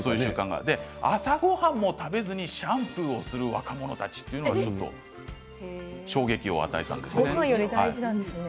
朝ごはんも食べずにシャンプーする若者たちというのが衝撃をごはんより大事なんですね。